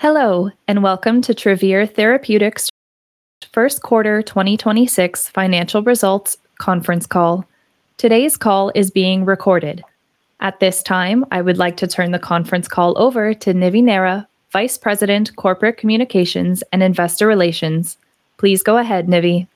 Hello and welcome to Travere Therapeutics' first quarter 2026 financial results conference call. Today's call is being recorded. At this time, I would like to turn the conference call over to Nivi Nehra, Vice President, Corporate Communications and Investor Relations. Please go ahead, Nivi.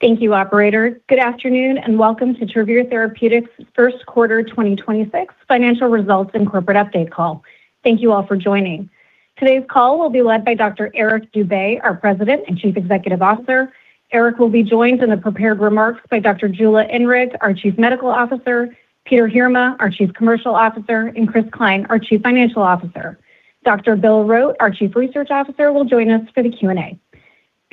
Thank you, operator. Good afternoon, and welcome to Travere Therapeutics' first quarter 2026 financial results and corporate update call. Thank you all for joining. Today's call will be led by Dr. Eric Dube, our President and Chief Executive Officer. Eric will be joined in the prepared remarks by Dr. Jula Inrig, our Chief Medical Officer, Peter Heerma, our Chief Commercial Officer, and Chris Cline, our Chief Financial Officer. Dr. Bill Rote, our Chief Research Officer, will join us for the Q&A.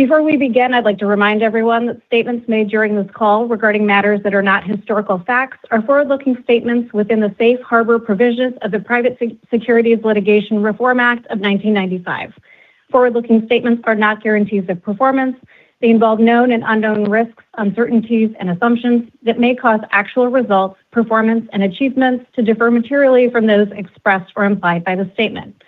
Before we begin, I'd like to remind everyone that statements made during this call regarding matters that are not historical facts are forward-looking statements within the safe harbor provisions of the Private Securities Litigation Reform Act of 1995. Forward-looking statements are not guarantees of performance. They involve known and unknown risks, uncertainties, and assumptions that may cause actual results, performance, and achievements to differ materially from those expressed or implied by the statement.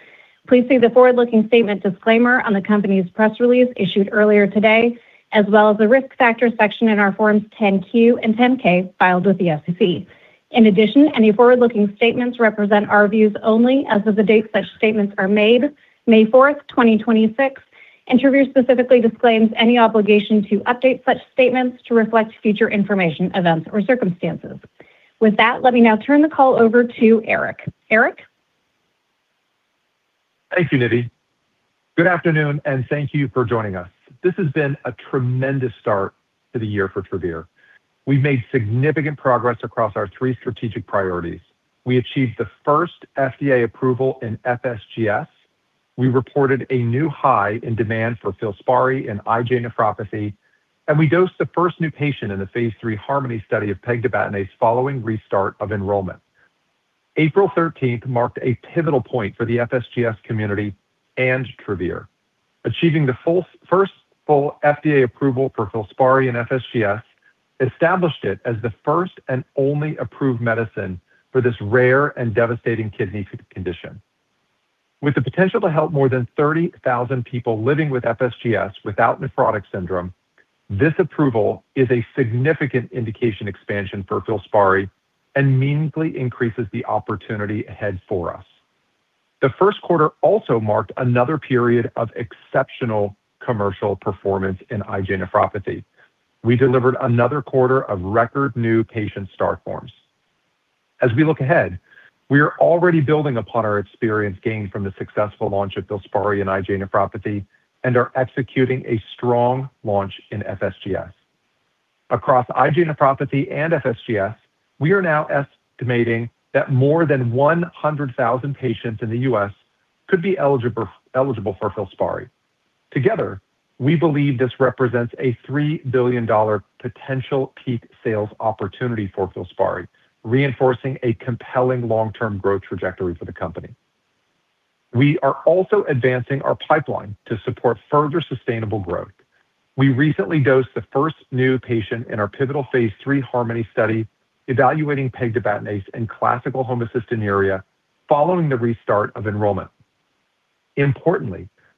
Please see the forward-looking statement disclaimer on the company's press release issued earlier today, as well as the Risk Factors section in our Forms 10-Q and 10-K filed with the SEC. In addition, any forward-looking statements represent our views only as of the date such statements are made, May 4th, 2026, and Travere specifically disclaims any obligation to update such statements to reflect future information, events, or circumstances. With that, let me now turn the call over to Eric. Eric? Thank you, Nivi. Good afternoon, thank you for joining us. This has been a tremendous start to the year for Travere. We've made significant progress across our three strategic priorities. We achieved the first FDA approval in FSGS. We reported a new high in demand for FILSPARI in IgA nephropathy, and we dosed the first new patient in the phase III HARMONY study of pegtibatinase following restart of enrollment. April 13th marked a pivotal point for the FSGS community and Travere. Achieving the first full FDA approval for FILSPARI in FSGS established it as the first and only approved medicine for this rare and devastating kidney condition. With the potential to help more than 30,000 people living with FSGS without nephrotic syndrome, this approval is a significant indication expansion for FILSPARI and meaningfully increases the opportunity ahead for us. The first quarter also marked another period of exceptional commercial performance in IgA nephropathy. We delivered another quarter of record new patient start forms. As we look ahead, we are already building upon our experience gained from the successful launch of FILSPARI in IgA nephropathy and are executing a strong launch in FSGS. Across IgA nephropathy and FSGS, we are now estimating that more than 100,000 patients in the U.S. could be eligible for FILSPARI. Together, we believe this represents a $3 billion potential peak sales opportunity for FILSPARI, reinforcing a compelling long-term growth trajectory for the company. We are also advancing our pipeline to support further sustainable growth. We recently dosed the first new patient in our pivotal phase III HARMONY study evaluating pegtibatinase in classical homocystinuria following the restart of enrollment.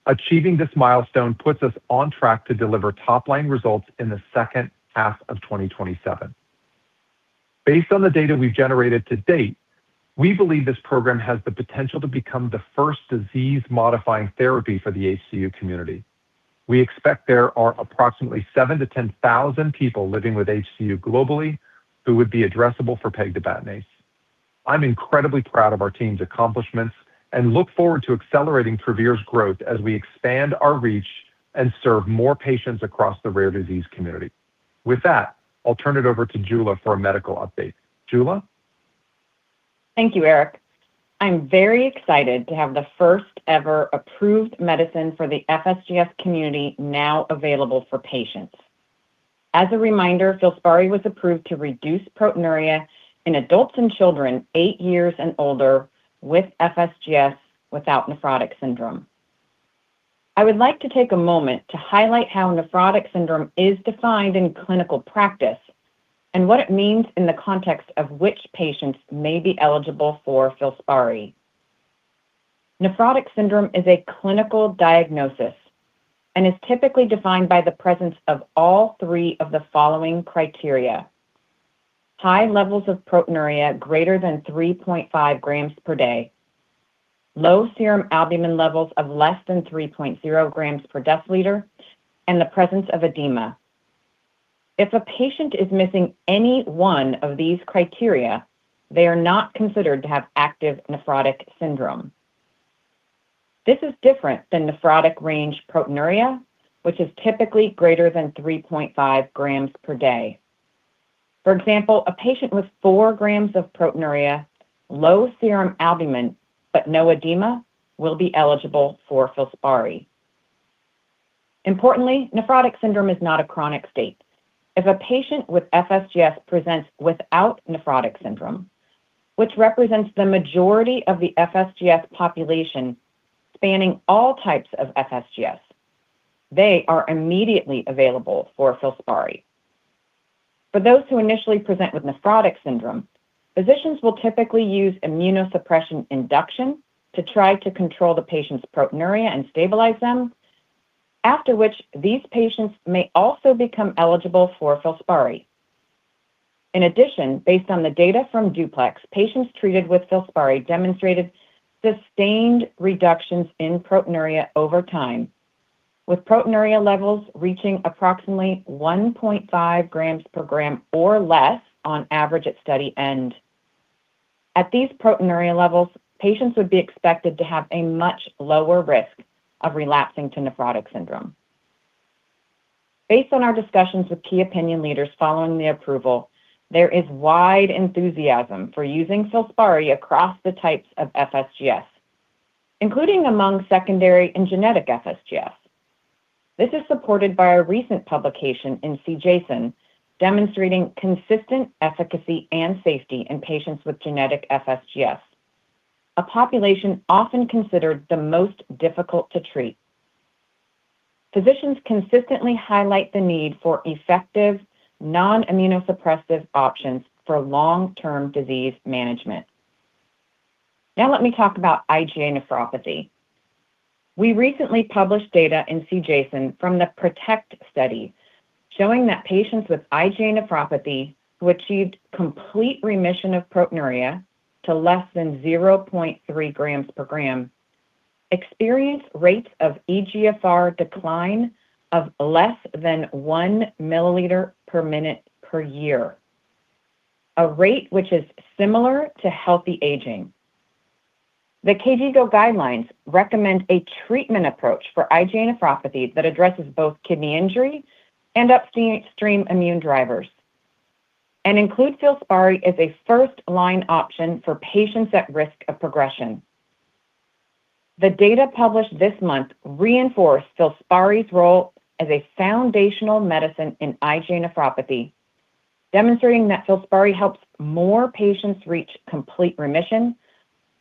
Achieving this milestone puts us on track to deliver top-line results in the second half of 2027. Based on the data we've generated to date, we believe this program has the potential to become the first disease-modifying therapy for the HCU community. We expect there are approximately 7,000-10,000 people living with HCU globally who would be addressable for pegtibatinase. I'm incredibly proud of our team's accomplishments and look forward to accelerating Travere's growth as we expand our reach and serve more patients across the rare disease community. With that, I'll turn it over to Jula for a medical update. Jula? Thank you, Eric. I'm very excited to have the first ever approved medicine for the FSGS community now available for patients. As a reminder, FILSPARI was approved to reduce proteinuria in adults and children eight years and older with FSGS without nephrotic syndrome. I would like to take a moment to highlight how nephrotic syndrome is defined in clinical practice and what it means in the context of which patients may be eligible for FILSPARI. Nephrotic syndrome is a clinical diagnosis and is typically defined by the presence of all three of the following criteria. High levels of proteinuria greater than 3.5 g per day, low serum albumin levels of less than 3.0 g/dL, the presence of edema. If a patient is missing any one of these criteria, they are not considered to have active nephrotic syndrome. This is different than nephrotic range proteinuria, which is typically greater than 3.5 g per day. For example, a patient with 4 g of proteinuria, low serum albumin, but no edema will be eligible for FILSPARI. Importantly, nephrotic syndrome is not a chronic state. If a patient with FSGS presents without nephrotic syndrome, which represents the majority of the FSGS population spanning all types of FSGS, they are immediately available for FILSPARI. for those who initially present with nephrotic syndrome, physicians will typically use immunosuppression induction to try to control the patient's proteinuria and stabilize them, after which these patients may also become eligible for FILSPARI. In addition, based on the data from DUPLEX, patients treated with FILSPARI demonstrated sustained reductions in proteinuria over time, with proteinuria levels reaching approximately 1.5 g/g or less on average at study end. At these proteinuria levels, patients would be expected to have a much lower risk of relapsing to nephrotic syndrome. Based on our discussions with key opinion leaders following the approval, there is wide enthusiasm for using FILSPARI across the types of FSGS, including among secondary and genetic FSGS. This is supported by a recent publication in CJASN demonstrating consistent efficacy and safety in patients with genetic FSGS, a population often considered the most difficult to treat. Physicians consistently highlight the need for effective non-immunosuppressive options for long-term disease management. Let me talk about IgA nephropathy. We recently published data in CJASN from the PROTECT study showing that patients with IgA nephropathy who achieved complete remission of proteinuria to less than 0.3 g/g experienced rates of eGFR decline of less than 1 ml/minute per year, a rate which is similar to healthy aging. The KDIGO guidelines recommend a treatment approach for IgA nephropathy that addresses both kidney injury and upstream immune drivers and include FILSPARI as a first-line option for patients at risk of progression. The data published this month reinforced FILSPARI's role as a foundational medicine in IgA nephropathy, demonstrating that FILSPARI helps more patients reach complete remission,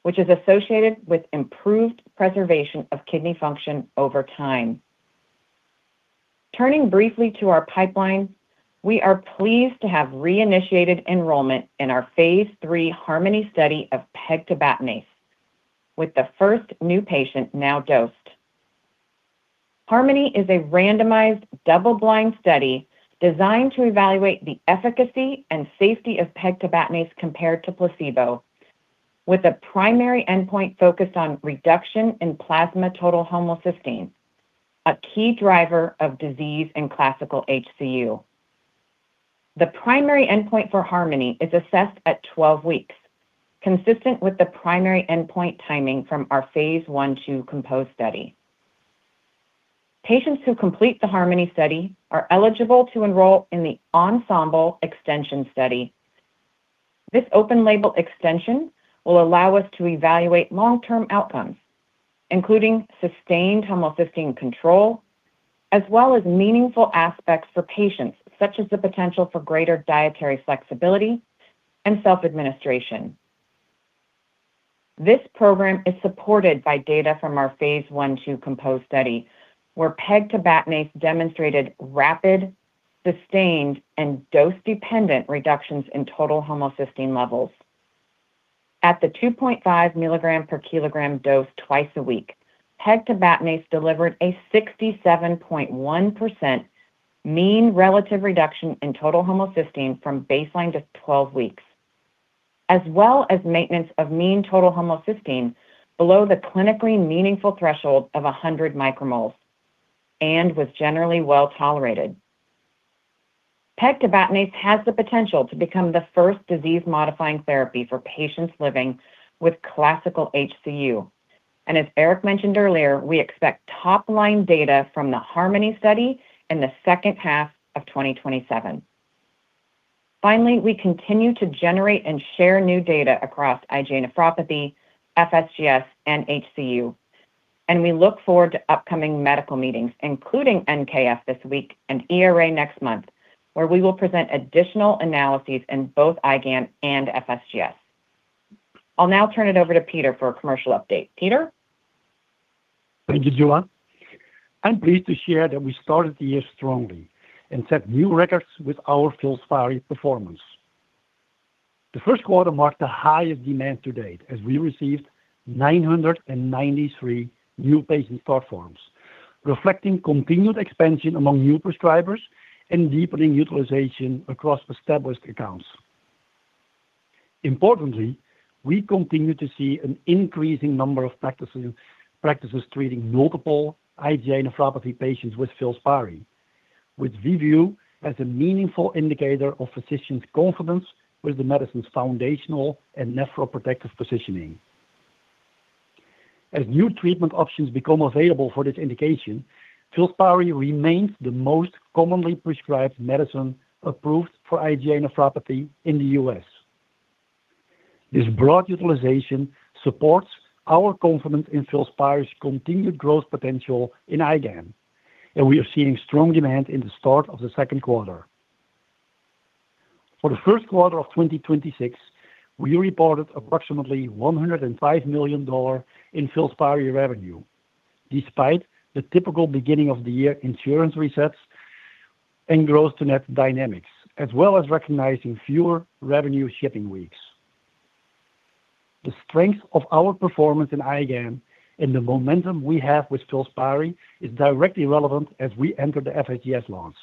which is associated with improved preservation of kidney function over time. Turning briefly to our pipeline, we are pleased to have reinitiated enrollment in our phase III HARMONY study of pegtibatinase with the first new patient now dosed. HARMONY is a randomized double-blind study designed to evaluate the efficacy and safety of pegtibatinase compared to placebo, with a primary endpoint focused on reduction in plasma total homocysteine, a key driver of disease in classical HCU. The primary endpoint for HARMONY is assessed at 12 weeks, consistent with the primary endpoint timing from our phase I/II COMPOSE study. Patients who complete the HARMONY study are eligible to enroll in the ENSEMBLE Extension Study. This open-label extension will allow us to evaluate long-term outcomes, including sustained homocysteine control, as well as meaningful aspects for patients, such as the potential for greater dietary flexibility and self-administration. This program is supported by data from our phase I/II COMPOSE study, where pegtibatinase demonstrated rapid, sustained, and dose-dependent reductions in total homocysteine levels. At the 2.5 mg/kg dose two times a week, pegtibatinase delivered a 67.1% mean relative reduction in total homocysteine from baseline to 12 weeks, as well as maintenance of mean total homocysteine below the clinically meaningful threshold of 100 micromoles and was generally well-tolerated. Pegtibatinase has the potential to become the first disease-modifying therapy for patients living with classical HCU. As Eric mentioned earlier, we expect top-line data from the HARMONY study in the second half of 2027. Finally, we continue to generate and share new data across IgA nephropathy, FSGS, and HCU, and we look forward to upcoming medical meetings, including NKF this week and ERA next month, where we will present additional analyses in both IgAN and FSGS. I'll now turn it over to Peter for a commercial update. Peter? Thank you, Jula. I am pleased to share that we started the year strongly and set new records with our FILSPARI performance. The first quarter marked the highest demand to date as we received 993 new patient start forms, reflecting continued expansion among new prescribers and deepening utilization across established accounts. Importantly, we continue to see an increasing number of practices treating multiple IgA nephropathy patients with FILSPARI, which we view as a meaningful indicator of physicians' confidence with the medicine's foundational and nephroprotective positioning. As new treatment options become available for this indication, FILSPARI remains the most commonly prescribed medicine approved for IgA nephropathy in the U.S. This broad utilization supports our confidence in FILSPARI's continued growth potential in IgAN. We are seeing strong demand in the start of the second quarter. For the first quarter of 2026, we reported approximately $105 million in FILSPARI revenue. Despite the typical beginning of the year insurance resets and gross to net dynamics, as well as recognizing fewer revenue shipping weeks. The strength of our performance in IgAN and the momentum we have with FILSPARI is directly relevant as we enter the FSGS launch.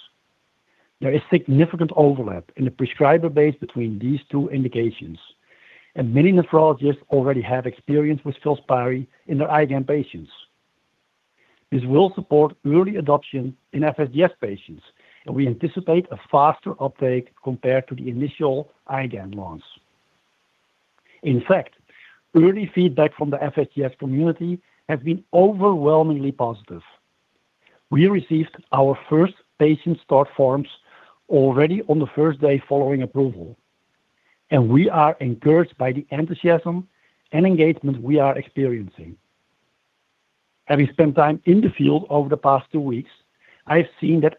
There is significant overlap in the prescriber base between these two indications, and many nephrologists already have experience with FILSPARI in their IgAN patients. This will support early adoption in FSGS patients, and we anticipate a faster uptake compared to the initial IgAN launch. In fact, early feedback from the FSGS community has been overwhelmingly positive. We received our first patient start forms already on the first day following approval, and we are encouraged by the enthusiasm and engagement we are experiencing. Having spent time in the field over the past two weeks, I have seen that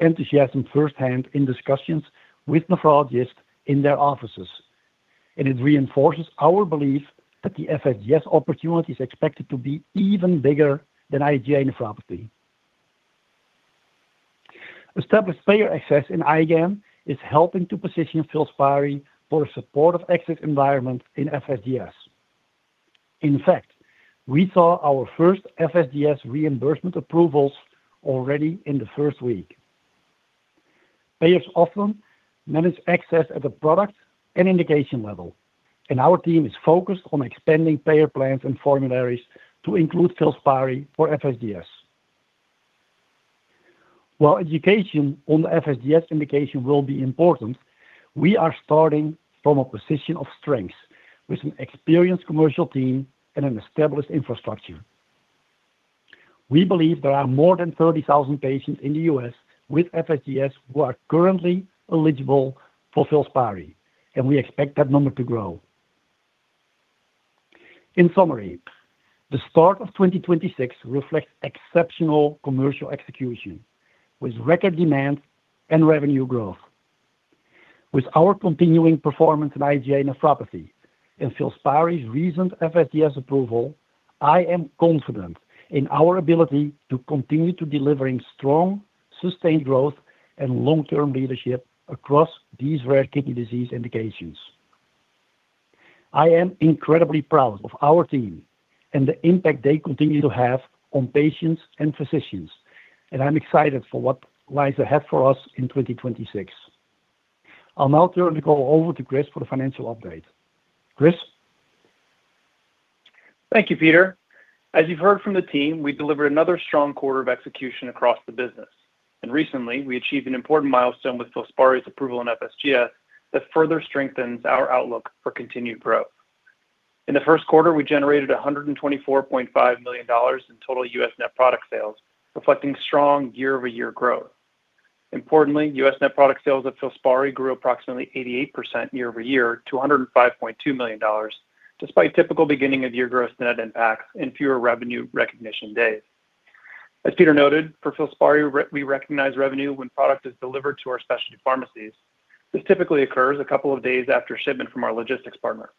enthusiasm firsthand in discussions with nephrologists in their offices, and it reinforces our belief that the FSGS opportunity is expected to be even bigger than IgA nephropathy. Established payer access in IgAN is helping to position FILSPARI for a supportive access environment in FSGS. In fact, we saw our first FSGS reimbursement approvals already in the first week. Payers often manage access at the product and indication level, and our team is focused on expanding payer plans and formularies to include FILSPARI for FSGS. While education on the FSGS indication will be important, we are starting from a position of strength with an experienced commercial team and an established infrastructure. We believe there are more than 30,000 patients in the U.S. with FSGS who are currently eligible for FILSPARI, and we expect that number to grow. In summary, the start of 2026 reflects exceptional commercial execution with record demand and revenue growth. With our continuing performance in IgA nephropathy and FILSPARI's recent FSGS approval, I am confident in our ability to continue to delivering strong, sustained growth and long-term leadership across these rare kidney disease indications. I am incredibly proud of our team and the impact they continue to have on patients and physicians, and I'm excited for what lies ahead for us in 2026. I'll now turn the call over to Chris for the financial update. Chris? Thank you, Peter. As you've heard from the team, we delivered another strong quarter of execution across the business. Recently, we achieved an important milestone with FILSPARI's approval in FSGS that further strengthens our outlook for continued growth. In the first quarter, we generated $124.5 million in total U.S. net product sales, reflecting strong year-over-year growth. Importantly, U.S. net product sales of FILSPARI grew approximately 88% year-over-year to $105.2 million, despite typical beginning of year gross net impacts and fewer revenue recognition days. As Peter noted, for FILSPARI, we recognize revenue when product is delivered to our specialty pharmacies. This typically occurs a couple of days after shipment from our logistics partner.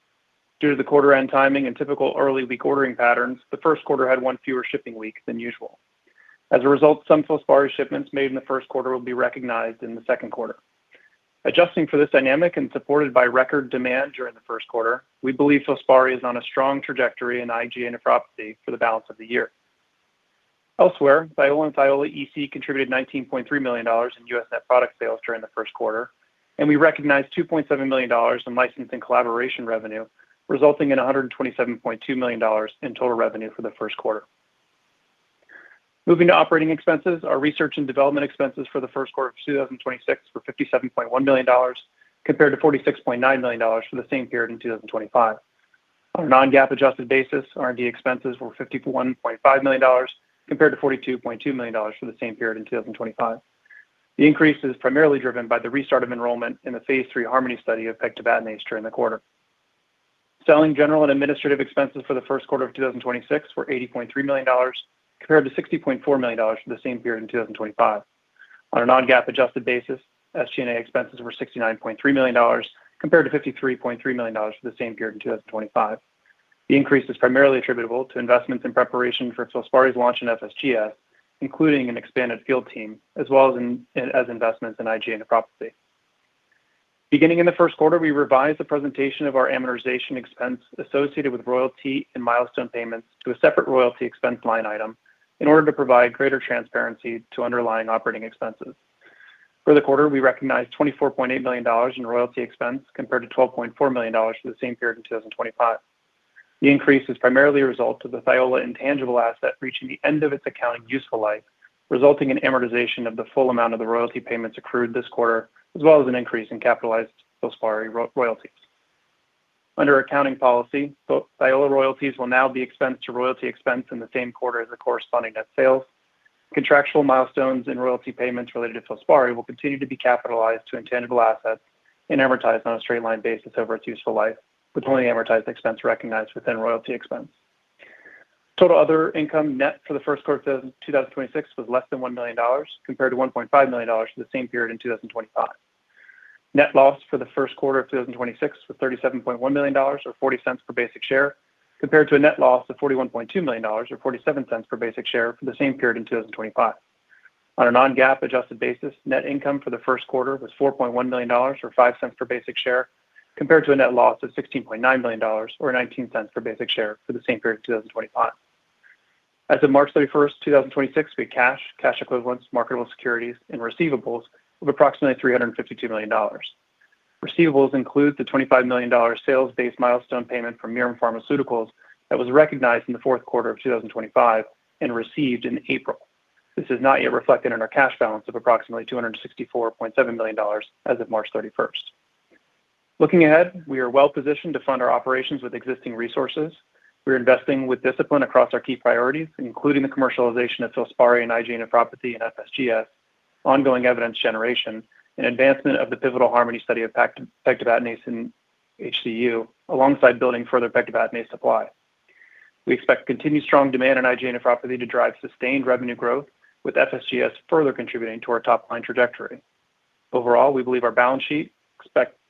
Due to the quarter end timing and typical early week ordering patterns, the first quarter had one fewer shipping week than usual. As a result, some FILSPARI shipments made in the first quarter will be recognized in the second quarter. Adjusting for this dynamic and supported by record demand during the first quarter, we believe FILSPARI is on a strong trajectory in IgA nephropathy for the balance of the year. Elsewhere, THIOLA and THIOLA EC contributed $19.3 million in U.S. net product sales during the first quarter, and we recognized $2.7 million in license and collaboration revenue, resulting in $127.2 million in total revenue for the first quarter. Moving to operating expenses, our research and development expenses for the first quarter of 2026 were $57.1 million compared to $46.9 million for the same period in 2025. On a non-GAAP adjusted basis, R&D expenses were $51.5 million compared to $42.2 million for the same period in 2025. The increase is primarily driven by the restart of enrollment in the phase III HARMONY study of pegtibatinase during the quarter. Selling, general, and administrative expenses for the first quarter of 2026 were $80.3 million compared to $60.4 million for the same period in 2025. On a non-GAAP adjusted basis, SG&A expenses were $69.3 million compared to $53.3 million for the same period in 2025. The increase is primarily attributable to investments in preparation for FILSPARI's launch in FSGS, including an expanded field team, as well as investments in IgA nephropathy. Beginning in the first quarter, we revised the presentation of our amortization expense associated with royalty and milestone payments to a separate royalty expense line item in order to provide greater transparency to underlying operating expenses. For the quarter, we recognized $24.8 million in royalty expense compared to $12.4 million for the same period in 2025. The increase is primarily a result of the THIOLA intangible asset reaching the end of its accounting useful life, resulting in amortization of the full amount of the royalty payments accrued this quarter, as well as an increase in capitalized FILSPARI royalties. Under accounting policy, THIOLA royalties will now be expensed to royalty expense in the same quarter as the corresponding net sales. Contractual milestones and royalty payments related to FILSPARI will continue to be capitalized to intangible assets and amortized on a straight-line basis over its useful life, with only amortized expense recognized within royalty expense. Total other income net for the first quarter of 2026 was less than $1 million, compared to $1.5 million for the same period in 2025. Net loss for the first quarter of 2026 was $37.1 million, or $0.40 per basic share, compared to a net loss of $41.2 million or $0.47 per basic share for the same period in 2025. On a non-GAAP adjusted basis, net income for the first quarter was $4.1 million or $0.05 per basic share, compared to a net loss of $16.9 million or $0.19 per basic share for the same period in 2025. As of March 31, 2026, we had cash equivalents, marketable securities and receivables of approximately $352 million. Receivables include the $25 million sales-based milestone payment from Mirum Pharmaceuticals that was recognized in the fourth quarter of 2025 and received in April. This is not yet reflected in our cash balance of approximately $264.7 million as of March 31. Looking ahead, we are well-positioned to fund our operations with existing resources. We are investing with discipline across our key priorities, including the commercialization of FILSPARI in IgA nephropathy and FSGS, ongoing evidence generation and advancement of the pivotal HARMONY study of pegtibatinase in HCU, alongside building further pegtibatinase supply. We expect continued strong demand in IgA nephropathy to drive sustained revenue growth, with FSGS further contributing to our top line trajectory. Overall, we believe our balance sheet,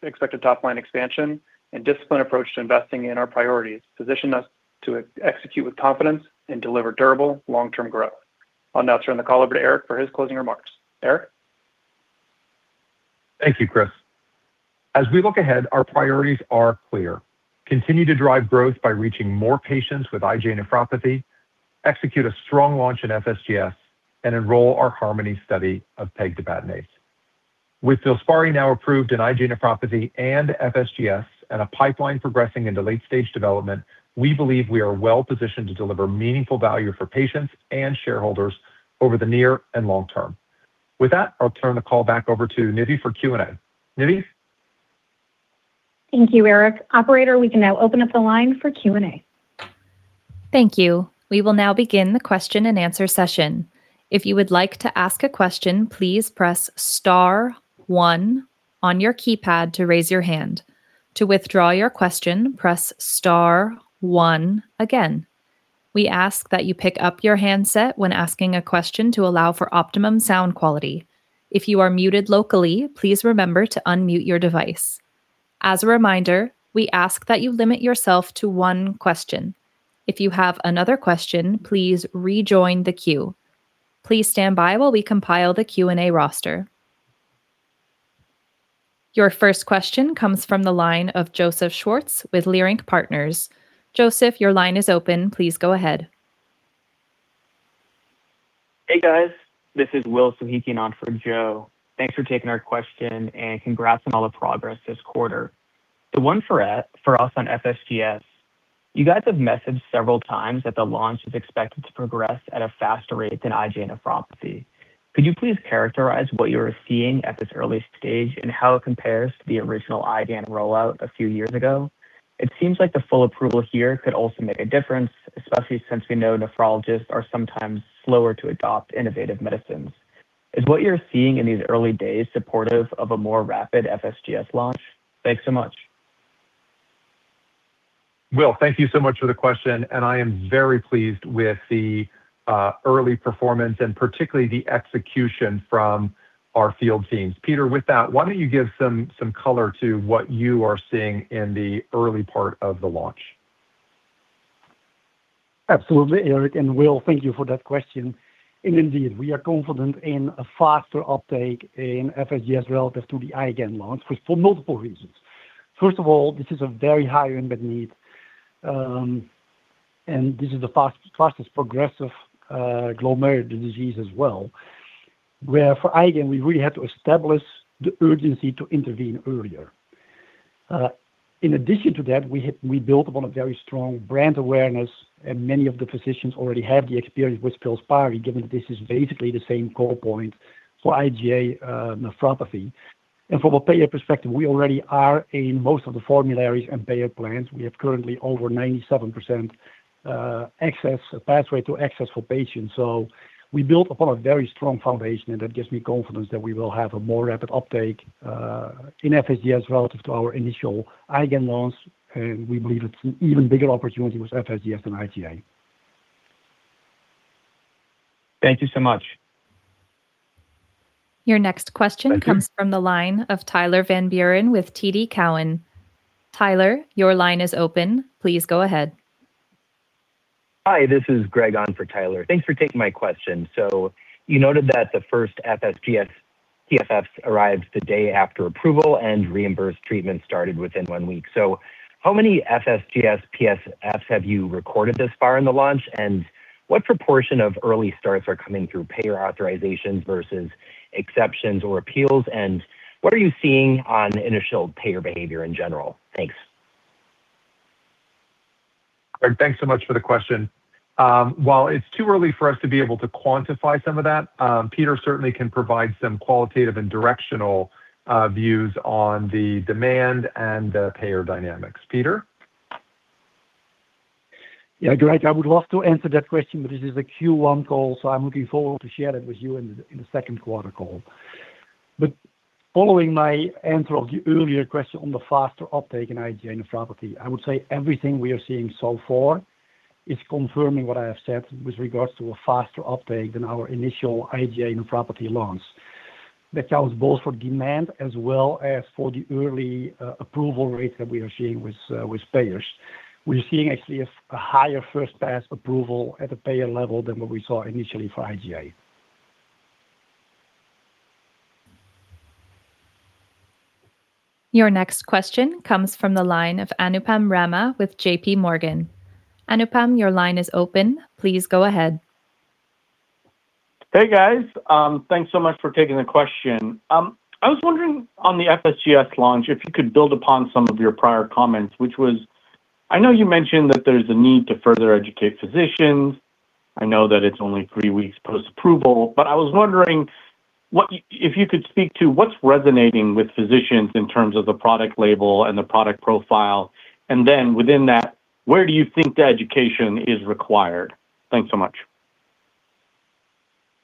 expected top line expansion and disciplined approach to investing in our priorities position us to execute with confidence and deliver durable long-term growth. I'll now turn the call over to Eric for his closing remarks. Eric? Thank you, Chris. As we look ahead, our priorities are clear. Continue to drive growth by reaching more patients with IgA nephropathy, execute a strong launch in FSGS and enroll our HARMONY study of pegtibatinase. With FILSPARI now approved in IgA nephropathy and FSGS, and a pipeline progressing into late-stage development, we believe we are well-positioned to deliver meaningful value for patients and shareholders over the near and long term. With that, I'll turn the call back over to Nivi for Q&A. Nivi? Thank you, Eric. Operator, we can now open up the line for Q&A. Thank you. We will now begin the question-and-answer session. If you would like to ask a question, please press star one on your keypad to raise your hand. To withdraw your question, press star one again. We ask that you pick up your handset when asking a question to allow for optimum sound quality. If you are muted locally, please remember to unmute your device. As a reminder, we ask that you limit yourself to one question. If you have another question, please rejoin the queue. Please stand by while we compile the Q&A roster. Your first question comes from the line of Joseph Schwartz with Leerink Partners. Joseph, your line is open. Please go ahead. Hey, guys. This is Will Soghikian on for Joe. Thanks for taking our question, and congrats on all the progress this quarter. The one for us on FSGS, you guys have mentioned several times that the launch is expected to progress at a faster rate than IgA nephropathy. Could you please characterize what you are seeing at this early stage and how it compares to the original IgAN rollout a few years ago? It seems like the full approval here could also make a difference, especially since we know nephrologists are sometimes slower to adopt innovative medicines. Is what you're seeing in these early days supportive of a more rapid FSGS launch? Thanks so much. Will, thank you so much for the question, and I am very pleased with the early performance and particularly the execution from our field teams. Peter, with that, why don't you give some color to what you are seeing in the early part of the launch? Eric, and Will, thank you for that question. Indeed, we are confident in a faster uptake in FSGS relative to the IgAN launch for multiple reasons. First of all, this is a very high unmet need, and this is the fastest progressive glomerular disease as well, where for IgAN we really had to establish the urgency to intervene earlier. In addition to that, we built upon a very strong brand awareness, and many of the physicians already have the experience with FILSPARI, given this is basically the same core point for IgA nephropathy. From a payer perspective, we already are in most of the formularies and payer plans. We have currently over 97% access, pathway to access for patients. We built upon a very strong foundation, and that gives me confidence that we will have a more rapid uptake in FSGS relative to our initial IgAN launch, and we believe it's an even bigger opportunity with FSGS than IgA. Thank you so much. Your next question. Thank you. Comes from the line of Tyler Van Buren with TD Cowen. Tyler, your line is open. Please go ahead. Hi, this is Greg on for Tyler. Thanks for taking my question. You noted that the first FSGS PSFs arrived the day after approval and reimbursed treatment started within one week. How many FSGS PSFs have you recorded thus far in the launch, and what proportion of early starts are coming through payer authorizations versus exceptions or appeals? What are you seeing on initial payer behavior in general? Thanks. Greg, thanks so much for the question. While it's too early for us to be able to quantify some of that, Peter certainly can provide some qualitative and directional views on the demand and payer dynamics. Peter? Yeah, Greg, I would love to answer that question, but this is a Q1 call, so I'm looking forward to share that with you in the second quarter call. Following my answer of the earlier question on the faster uptake in IgA nephropathy, I would say everything we are seeing so far It's confirming what I have said with regards to a faster uptake than our initial IgA nephropathy launch. That goes both for demand as well as for the early approval rate that we are seeing with payers. We're seeing actually a higher first pass approval at the payer level than what we saw initially for IgA. Your next question comes from the line of Anupam Rama with JPMorgan. Anupam, your line is open. Please go ahead. Hey, guys. Thanks so much for taking the question. I was wondering on the FSGS launch, if you could build upon some of your prior comments, which was I know you mentioned that there's a need to further educate physicians. I know that it's only three weeks post-approval, but I was wondering what if you could speak to what's resonating with physicians in terms of the product label and the product profile. Within that, where do you think the education is required? Thanks so much.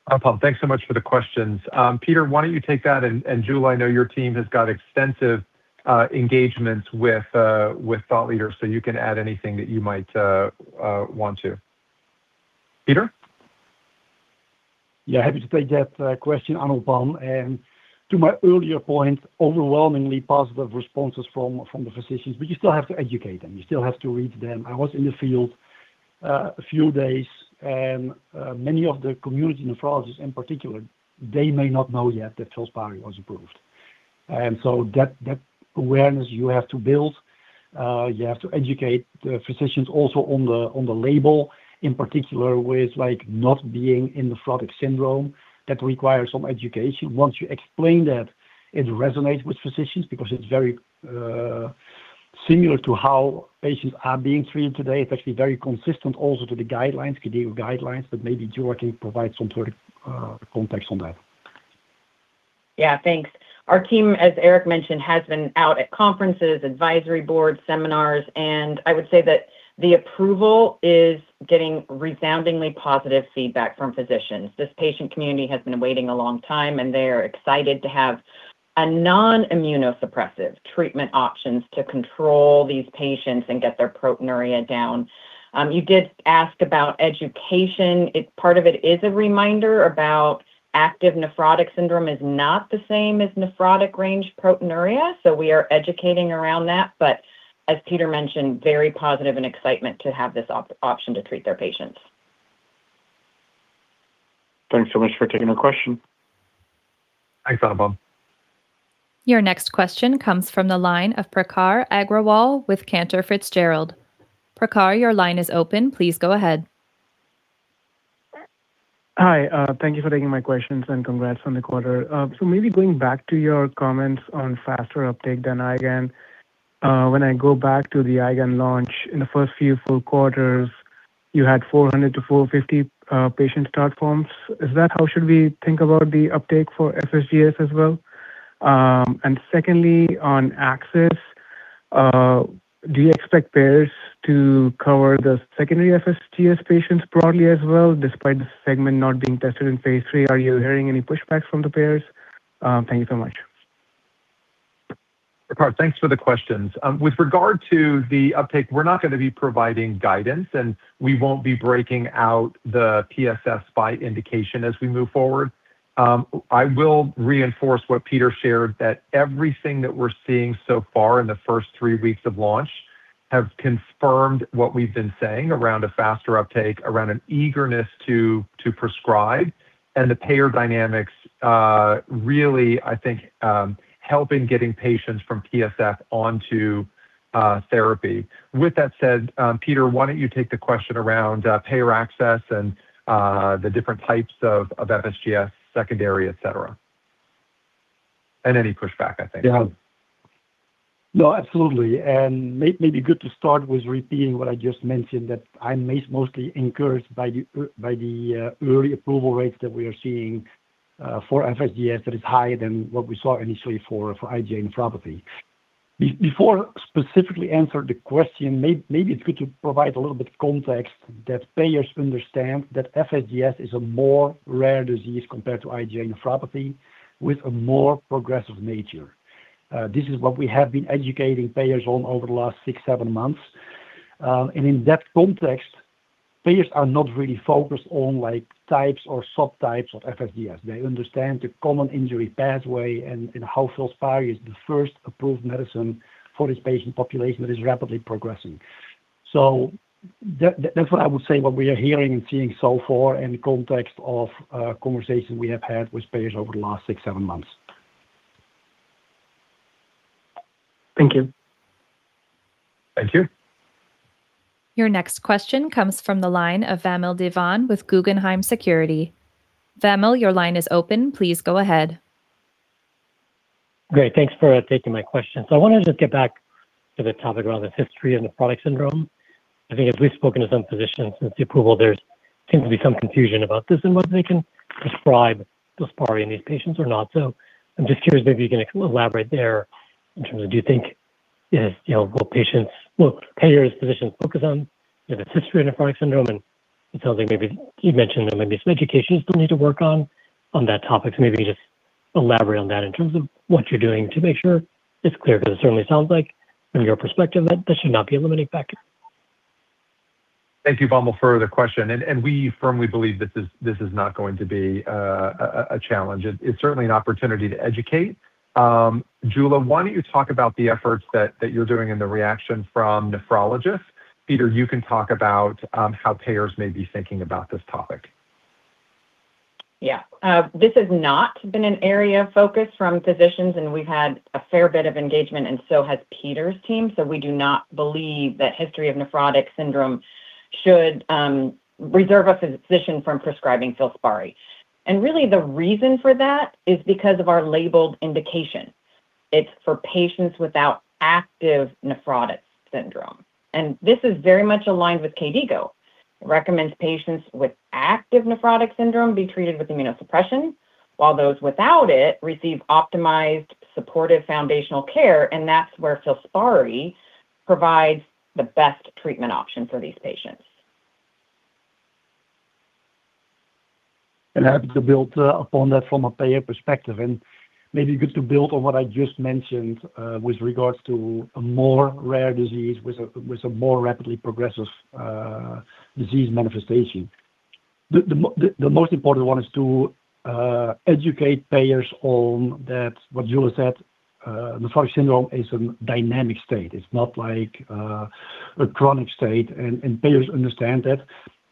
Anupam, thanks so much for the questions. Peter, why don't you take that? Jula, I know your team has got extensive engagements with thought leaders, so you can add anything that you might want to. Peter? Yeah, happy to take that question, Anupam. To my earlier point, overwhelmingly positive responses from the physicians. You still have to educate them. You still have to reach them. I was in the field a few days, and many of the community nephrologists in particular, they may not know yet that FILSPARI was approved. That awareness you have to build, you have to educate the physicians also on the label in particular with like not being in the nephrotic syndrome. That requires some education. Once you explain that, it resonates with physicians because it's very similar to how patients are being treated today. It's actually very consistent also to the guidelines, KDIGO guidelines, maybe Jula can provide some sort of context on that. Yeah, thanks. Our team, as Eric mentioned, has been out at conferences, advisory board seminars. I would say that the approval is getting resoundingly positive feedback from physicians. This patient community has been waiting a long time. They are excited to have a non-immunosuppressive treatment options to control these patients and get their proteinuria down. You did ask about education. Part of it is a reminder about active nephrotic syndrome is not the same as nephrotic range proteinuria. We are educating around that. As Peter mentioned, very positive and excitement to have this option to treat their patients. Thanks so much for taking the question. Thanks, Anupam. Your next question comes from the line of Prakhar Agrawal with Cantor Fitzgerald. Prakhar, your line is open. Please go ahead. Hi. Thank you for taking my questions, and congrats on the quarter. Maybe going back to your comments on faster uptake than IgAN. When I go back to the IgAN launch, in the first few full quarters, you had 400-450 patient start forms. Is that how should we think about the uptake for FSGS as well? Secondly, on access, do you expect payers to cover the secondary FSGS patients broadly as well, despite the segment not being tested in phase III? Are you hearing any pushbacks from the payers? Thank you so much. Prakhar, thanks for the questions. With regard to the uptake, we're not gonna be providing guidance, and we won't be breaking out the TSS by indication as we move forward. I will reinforce what Peter shared, that everything that we're seeing so far in the first three weeks of launch have confirmed what we've been saying around a faster uptake, around an eagerness to prescribe, and the payer dynamics, really, I think, helping getting patients from TSS onto therapy. With that said, Peter, why don't you take the question around payer access and the different types of FSGS, secondary, et cetera, and any pushback, I think. Yeah. No, absolutely. May be good to start with repeating what I just mentioned, that I'm mostly encouraged by the early approval rates that we are seeing for FSGS that is higher than what we saw initially for IgA nephropathy. Before specifically answer the question, maybe it's good to provide a little bit context that payers understand that FSGS is a more rare disease compared to IgA nephropathy with a more progressive nature. This is what we have been educating payers on over the last six, seven months. In that context, payers are not really focused on like types or subtypes of FSGS. They understand the common injury pathway and how FILSPARI is the first approved medicine for this patient population that is rapidly progressing. That's why I would say what we are hearing and seeing so far in the context of conversations we have had with payers over the last six, seven months. Thank you. Thank you. Your next question comes from the line of Vamil Divan with Guggenheim Securities. Vamil, your line is open. Please go ahead. Great. Thanks for taking my question. I wanted to get back to the topic around the history of nephrotic syndrome. I think as we've spoken to some physicians since the approval, there's seems to be some confusion about this and whether they can prescribe FILSPARI in these patients or not. I'm just curious maybe you can elaborate there in terms of do you think if, you know, look, payers, physicians focus on the history of nephrotic syndrome and it sounds like maybe you mentioned that maybe some education still need to work on that topic. Maybe just elaborate on that in terms of what you're doing to make sure it's clear. Because it certainly sounds like from your perspective that this should not be a limiting factor. Thank you, Vamil, for the question. We firmly believe this is not going to be a challenge. It's certainly an opportunity to educate. Jula, why don't you talk about the efforts that you're doing and the reaction from nephrologists? Peter, you can talk about how payers may be thinking about this topic. Yeah. This has not been an area of focus from physicians, and we've had a fair bit of engagement and so has Peter's team. We do not believe that history of nephrotic syndrome should reserve a physician from prescribing FILSPARI. Really the reason for that is because of our labeled indication. It's for patients without active nephrotic syndrome, and this is very much aligned with KDIGO. KDIGO recommends patients with active nephrotic syndrome be treated with immunosuppression, while those without it receive optimized supportive foundational care, and that's where FILSPARI provides the best treatment option for these patients. Happy to build upon that from a payer perspective, and maybe good to build on what I just mentioned with regards to a more rare disease with a more rapidly progressive disease manifestation. The most important one is to educate payers on that, what Jula said, nephrotic syndrome is a dynamic state. It's not like a chronic state. Payers understand that.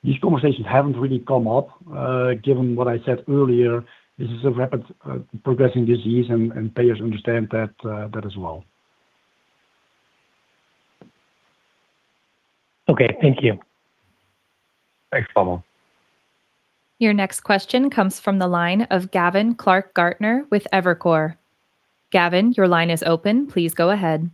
These conversations haven't really come up given what I said earlier, this is a rapid progressing disease and payers understand that as well. Okay. Thank you. Thanks, Vamil. Your next question comes from the line of Gavin Clark-Gartner with Evercore. Gavin, your line is open. Please go ahead.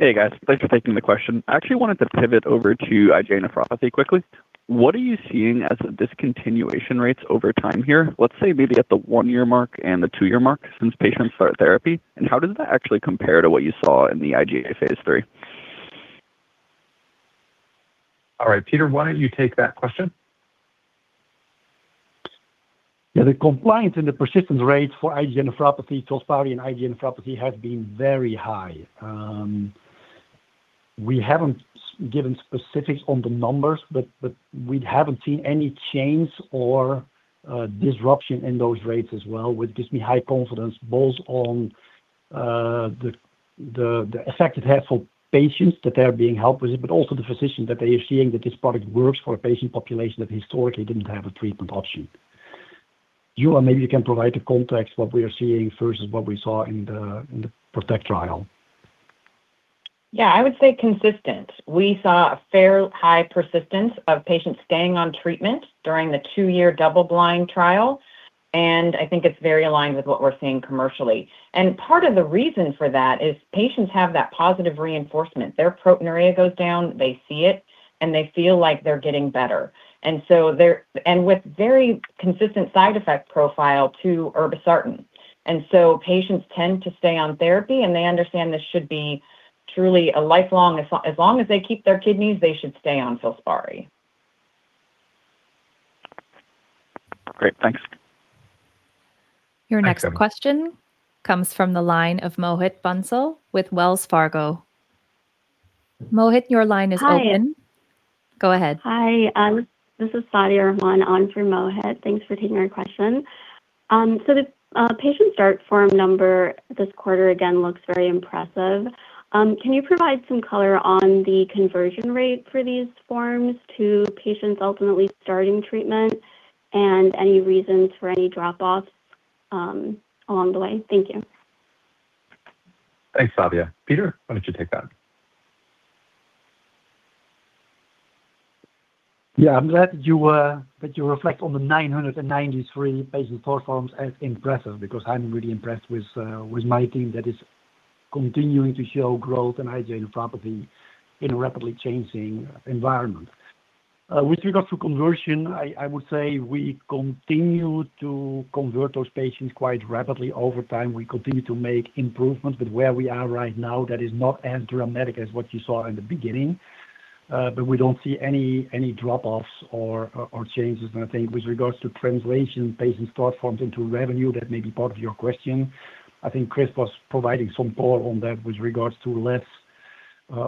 Hey, guys. Thanks for taking the question. I actually wanted to pivot over to IgA nephropathy quickly. What are you seeing as discontinuation rates over time here, let's say maybe at the one-year mark and the two-year mark since patients start therapy? How does that actually compare to what you saw in the IgA phase III? All right. Peter, why don't you take that question? The compliance and the persistence rates for IgA nephropathy, FILSPARI and IgA nephropathy, have been very high. We haven't given specifics on the numbers, but we haven't seen any change or disruption in those rates as well, which gives me high confidence both on the effect it had for patients that they are being helped with it, but also the physician that they are seeing that this product works for a patient population that historically didn't have a treatment option. Jula, maybe you can provide a context what we are seeing versus what we saw in the PROTECT trial. Yeah. I would say consistent. We saw a fair high persistence of patients staying on treatment during the two-year double-blind trial, I think it's very aligned with what we're seeing commercially. Part of the reason for that is patients have that positive reinforcement. Their proteinuria goes down, they see it, and they feel like they're getting better. With very consistent side effect profile to irbesartan. Patients tend to stay on therapy, and they understand this should be truly a lifelong as long as they keep their kidneys, they should stay on FILSPARI. Great. Thanks. Your next question comes from the line of Mohit Bansal with Wells Fargo. Mohit, your line is open. Hi. Go ahead. Hi. This is Sadia Rahman on for Mohit. Thanks for taking our question. The patient start form number this quarter again looks very impressive. Can you provide some color on the conversion rate for these forms to patients ultimately starting treatment and any reasons for any drop-offs along the way? Thank you. Thanks, Sadia. Peter, why don't you take that? I'm glad you that you reflect on the 993 patient start forms as impressive because I'm really impressed with my team that is continuing to show growth in IgA nephropathy in a rapidly changing environment. With regards to conversion, I would say we continue to convert those patients quite rapidly over time. We continue to make improvements. Where we are right now, that is not as dramatic as what you saw in the beginning. We don't see any drop-offs or changes. I think with regards to translation patient start forms into revenue, that may be part of your question. I think Chris was providing some color on that with regards to less,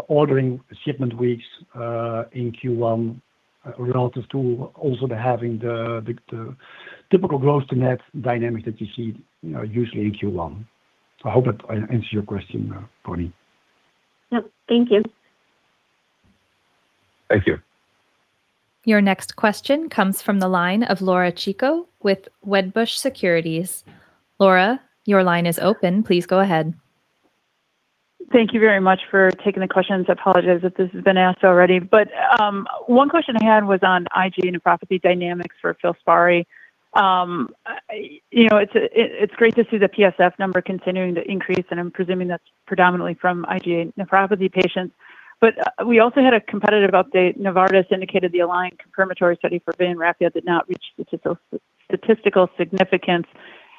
ordering shipment weeks, in Q1, relative to also the having the, the typical gross to net dynamic that you see, you know, usually in Q1. I hope that answers your question, Sadia. Yep. Thank you. Thank you. Your next question comes from the line of Laura Chico with Wedbush Securities. Laura, your line is open. Please go ahead. Thank you very much for taking the questions. I apologize if this has been asked already. One question I had was on IgA nephropathy dynamics for FILSPARI. You know, it's great to see the PSF number continuing to increase, and I'm presuming that's predominantly from IgA nephropathy patients. We also had a competitive update. Novartis indicated the aligned confirmatory study for Vanrafia did not reach statistical significance.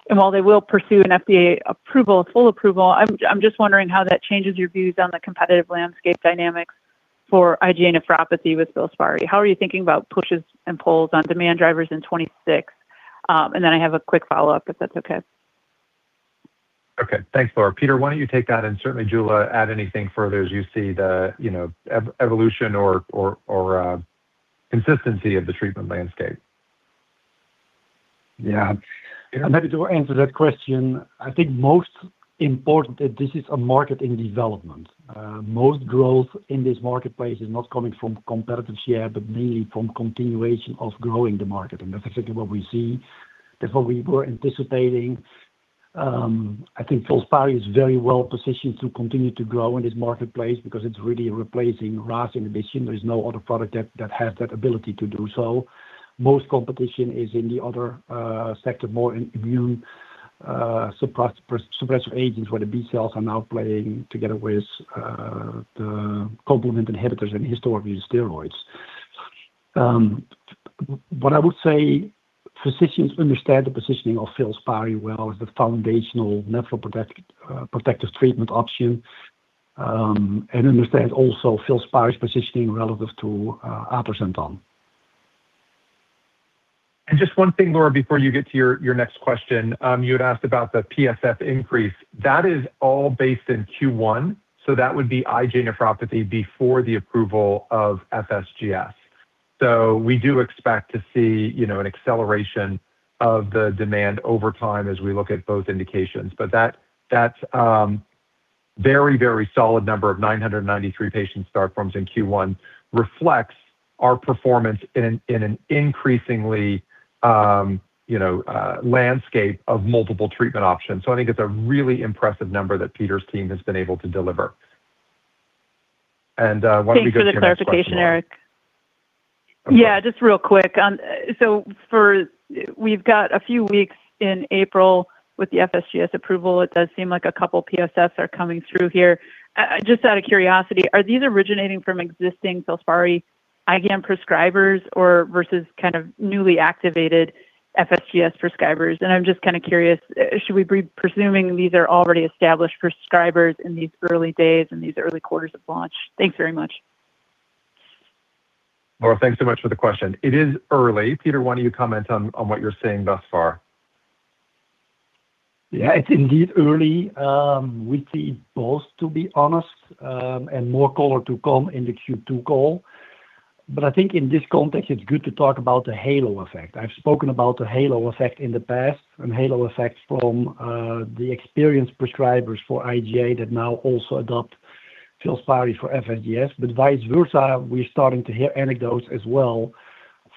While they will pursue an FDA approval, full approval, I'm just wondering how that changes your views on the competitive landscape dynamics. For IgA nephropathy with FILSPARI, how are you thinking about pushes and pulls on demand drivers in 2026? Then I have a quick follow-up if that's okay. Okay. Thanks, Laura. Peter, why don't you take that. Certainly, Jula Inrig, add anything further as you see the, you know, evolution or consistency of the treatment landscape. Yeah. Maybe to answer that question, I think most important that this is a market in development. Most growth in this marketplace is not coming from competitive share, but mainly from continuation of growing the market. That's exactly what we see. That's what we were anticipating. I think FILSPARI is very well-positioned to continue to grow in this marketplace because it's really replacing RAS inhibition. There is no other product that has that ability to do so. Most competition is in the other sector, more immune suppressor agents, where the B-cells are now playing together with the complement inhibitors and historically the steroids. I would say physicians understand the positioning of FILSPARI well as the foundational nephroprotective treatment option. Understand also FILSPARI's positioning relative to atrasentan. Just one thing, Laura, before you get to your next question. You had asked about the PSF increase. That is all based in Q1, so that would be IgA nephropathy before the approval of FSGS. We do expect to see, you know, an acceleration of the demand over time as we look at both indications. That's very solid number of 993 patient start forms in Q1 reflects our performance in an increasingly, you know, landscape of multiple treatment options. I think it's a really impressive number that Peter's team has been able to deliver. Why don't we go to your next question, Laura. Thanks for the clarification, Eric. Okay. Yeah, just real quick. We've got a few weeks in April with the FSGS approval. It does seem like 2 PSFs are coming through here. Just out of curiosity, are these originating from existing FILSPARI IgA prescribers or versus kind of newly activated FSGS prescribers? I'm just kind of curious, should we be presuming these are already established prescribers in these early days, in these early quarters of launch? Thanks very much. Laura, thanks so much for the question. It is early. Peter, why don't you comment on what you're seeing thus far? Yeah, it's indeed early. We see both, to be honest, and more color to come in the Q2 call. I think in this context, it's good to talk about the halo effect. I've spoken about the halo effect in the past and halo effect from the experienced prescribers for IgA that now also adopt FILSPARI for FSGS. Vice versa, we're starting to hear anecdotes as well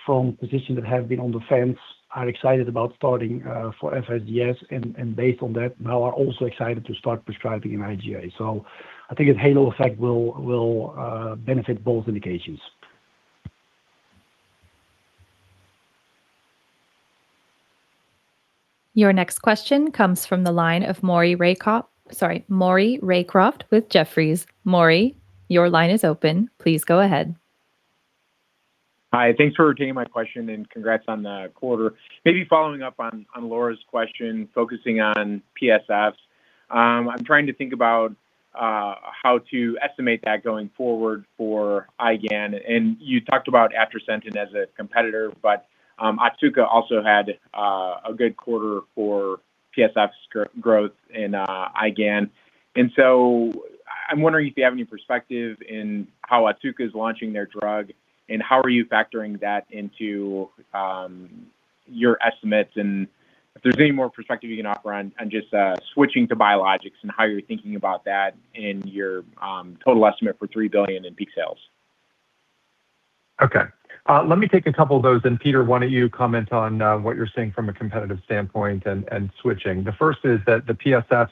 from physicians that have been on the fence, are excited about starting for FSGS and based on that, now are also excited to start prescribing in IgA. I think the halo effect will benefit both indications. Your next question comes from the line of Maury Raycroft. Sorry, Maury Raycroft with Jefferies. Maury, your line is open. Please go ahead. Hi. Thanks for taking my question, and congrats on the quarter. Maybe following up on Laura Chico's question, focusing on PSFs, I'm trying to think about how to estimate that going forward for IgA. You talked about atrasentan as a competitor, but Otsuka also had a good quarter for PSF growth in IgA. I'm wondering if you have any perspective in how Otsuka is launching their drug, and how are you factoring that into your estimates? If there's any more perspective you can offer on just switching to biologics and how you're thinking about that in your total estimate for $3 billion in peak sales. Okay. Let me take a couple of those, and Peter, why don't you comment on what you're seeing from a competitive standpoint and switching. The first is that the PSFs,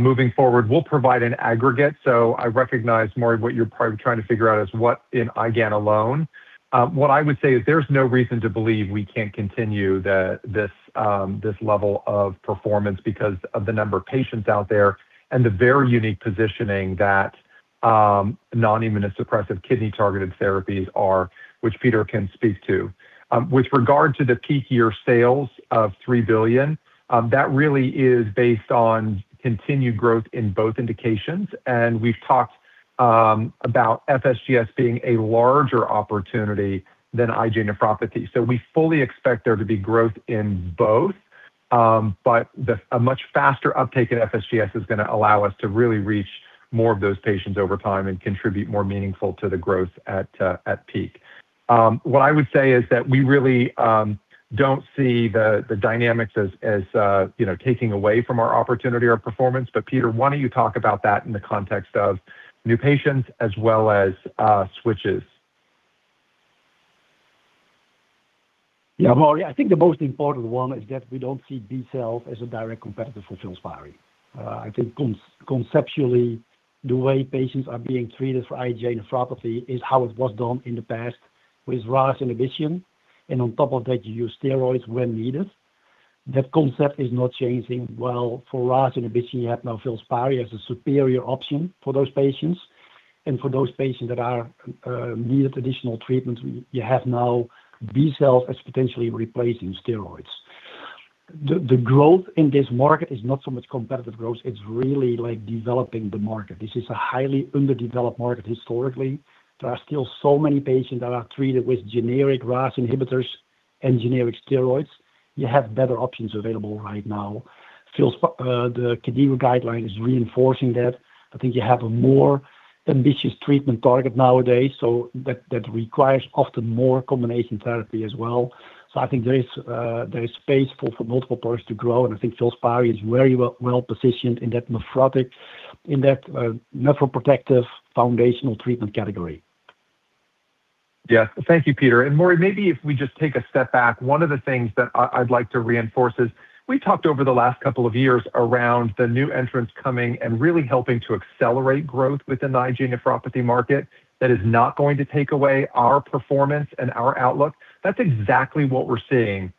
moving forward, we'll provide an aggregate. I recognize, Maury, what you're probably trying to figure out is what in IgA alone. What I would say is there's no reason to believe we can't continue this level of performance because of the number of patients out there and the very unique positioning that non-immunosuppressive kidney-targeted therapies are, which Peter can speak to. With regard to the peak year sales of $3 billion, that really is based on continued growth in both indications, and we've talked about FSGS being a larger opportunity than IgA nephropathy. We fully expect there to be growth in both, but the, a much faster uptake at FSGS is gonna allow us to really reach more of those patients over time and contribute more meaningful to the growth at peak. What I would say is that we really don't see the dynamics as, you know, taking away from our opportunity or performance. Peter, why don't you talk about that in the context of new patients as well as switches? Yeah, Maury, I think the most important one is that we don't see B-cell as a direct competitor for FILSPARI. I think conceptually, the way patients are being treated for IgA nephropathy is how it was done in the past with RAS inhibition, and on top of that, you use steroids when needed. That concept is not changing. Well, for RAS inhibition, you have now FILSPARI as a superior option for those patients. For those patients that are needed additional treatment, you have now B-cell as potentially replacing steroids. The growth in this market is not so much competitive growth, it's really, like, developing the market. This is a highly underdeveloped market historically. There are still so many patients that are treated with generic RAS inhibitors and generic steroids. You have better options available right now. The KDIGO guideline is reinforcing that. I think you have a more ambitious treatment target nowadays, so that requires often more combination therapy as well. I think there is space for multiple products to grow, and I think FILSPARI is very well-positioned in that nephrotic, in that nephroprotective foundational treatment category. Thank you, Peter. Maury, maybe if we just take a step back, one of the things that I'd like to reinforce is we talked over the last couple of years around the new entrants coming and really helping to accelerate growth within the IgA nephropathy market. That is not going to take away our performance and our outlook. That's exactly what we're seeing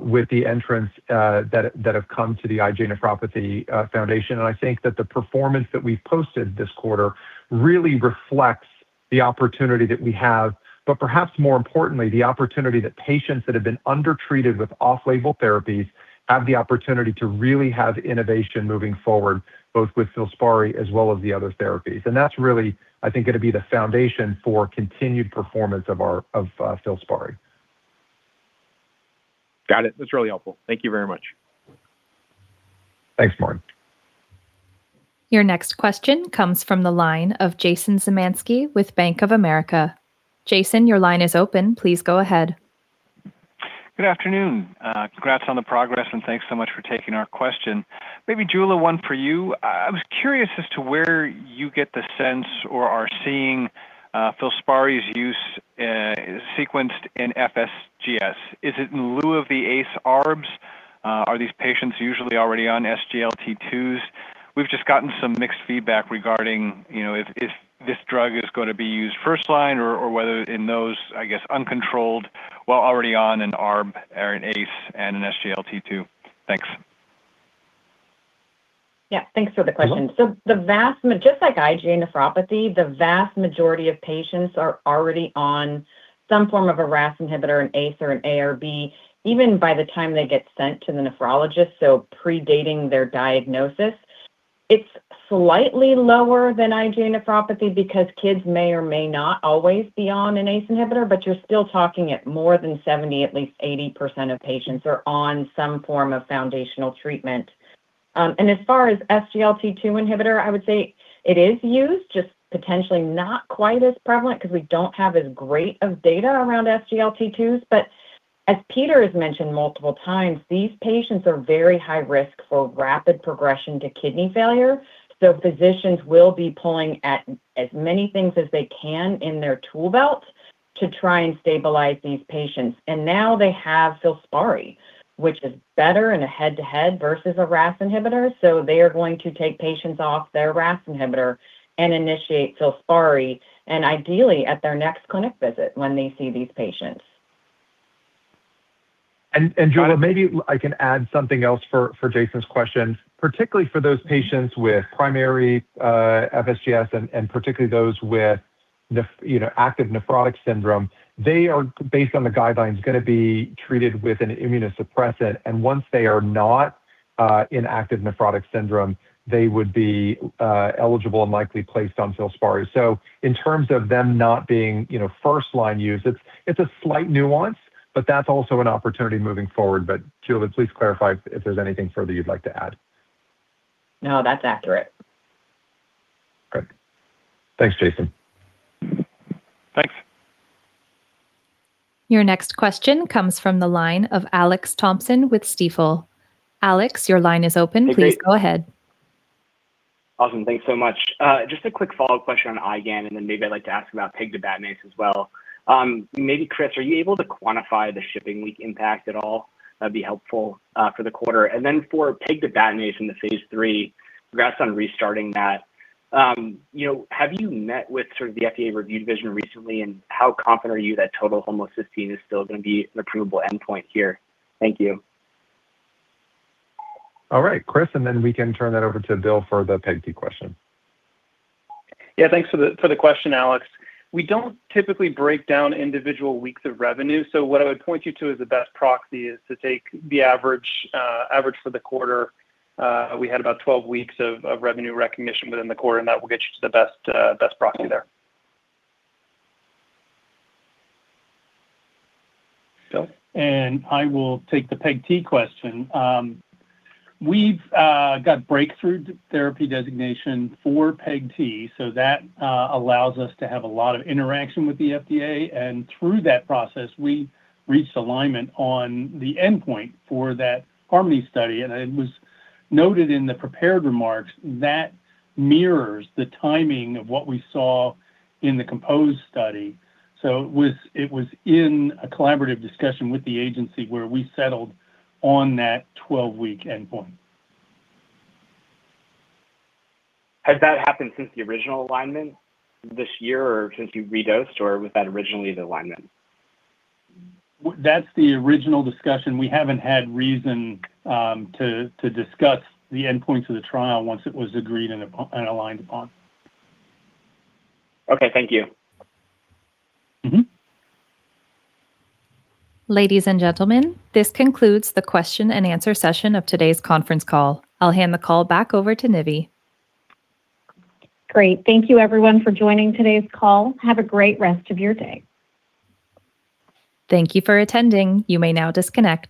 with the entrants that have come to the IgA nephropathy foundation. I think that the performance that we've posted this quarter really reflects the opportunity that we have. Perhaps more importantly, the opportunity that patients that have been undertreated with off-label therapies have the opportunity to really have innovation moving forward, both with FILSPARI as well as the other therapies. That's really, I think, gonna be the foundation for continued performance of FILSPARI. Got it. That's really helpful. Thank you very much. Thanks, Maury. Your next question comes from the line of Jason Zemansky with Bank of America. Jason, your line is open. Please go ahead. Good afternoon. Congrats on the progress, thanks so much for taking our question. Maybe, Jula, one for you. I was curious as to where you get the sense or are seeing FILSPARI's use sequenced in FSGS. Is it in lieu of the ACE ARBs? Are these patients usually already on SGLT2s? We've just gotten some mixed feedback regarding, you know, if this drug is gonna be used first line or whether in those, I guess, uncontrolled while already on an ARB or an ACE and an SGLT2. Thanks. Yeah. Thanks for the question. Mm-hmm. Just like IgA nephropathy, the vast majority of patients are already on some form of a RAS inhibitor, an ACE or an ARB, even by the time they get sent to the nephrologist, predating their diagnosis. It's slightly lower than IgA nephropathy because kids may or may not always be on an ACE inhibitor, but you're still talking at more than 70%, at least 80% of patients are on some form of foundational treatment. As far as SGLT2 inhibitor, I would say it is used, just potentially not quite as prevalent because we don't have as great of data around SGLT2s. As Peter has mentioned multiple times, these patients are very high risk for rapid progression to kidney failure, so physicians will be pulling at, as many things as they can in their tool belt to try and stabilize these patients. Now they have FILSPARI, which is better in a head-to-head versus a RAS inhibitor, so they are going to take patients off their RAS inhibitor and initiate FILSPARI, and ideally, at their next clinic visit when they see these patients. Jula- Yeah. Maybe I can add something else for Jason's question. Particularly for those patients with primary FSGS and particularly those with you know, active nephrotic syndrome, they are, based on the guidelines, gonna be treated with an immunosuppressant. Once they are not in active nephrotic syndrome, they would be eligible and likely placed on FILSPARI. In terms of them not being, you know, first line use, it's a slight nuance, but that's also an opportunity moving forward. Jula, please clarify if there's anything further you'd like to add. No, that's accurate. Okay. Thanks, Jason. Thanks. Your next question comes from the line of Alex Thompson with Stifel. Alex, your line is open. Hey, great. Please go ahead. Awesome. Thanks so much. Just a quick follow-up question on IgAN, maybe I'd like to ask about pegtibatinase as well. Maybe Chris, are you able to quantify the shipping week impact at all? That'd be helpful for the quarter. For pegtibatinase in the phase III, congrats on restarting that. You know, have you met with sort of the FDA review division recently, and how confident are you that total homocysteine is still gonna be an approvable endpoint here? Thank you. All right. Chris, and then we can turn that over to Bill for the pegtibatinase question. Yeah. Thanks for the, for the question, Alex. We don't typically break down individual weeks of revenue, so what I would point you to as the best proxy is to take the average for the quarter. We had about 12 weeks of revenue recognition within the quarter, and that will get you to the best proxy there. Bill? I will take the pegtibatinase question. We've got breakthrough therapy designation for pegtibatinase, so that allows us to have a lot of interaction with the FDA. Through that process, we reached alignment on the endpoint for that HARMONY study. It was noted in the prepared remarks, that mirrors the timing of what we saw in the COMPOSE study. It was in a collaborative discussion with the agency where we settled on that 12-week endpoint. Has that happened since the original alignment this year or since you redosed, or was that originally the alignment? That's the original discussion. We haven't had reason to discuss the endpoints of the trial once it was agreed and aligned upon. Okay. Thank you. Mm-hmm. Ladies and gentlemen, this concludes the question and answer session of today's conference call. I'll hand the call back over to Nivi. Great. Thank you everyone for joining today's call. Have a great rest of your day. Thank you for attending. You may now disconnect.